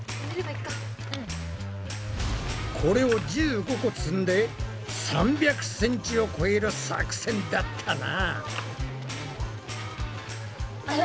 これを１５個積んで３００ｃｍを超える作戦だったな。